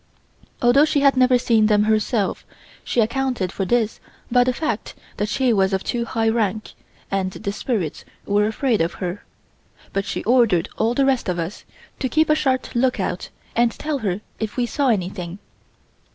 Although she had never seen them herself, she accounted for this by the fact that she was of too high a rank and the spirits were afraid of her, but she ordered all the rest of us to keep a sharp lookout and tell her if we saw anything.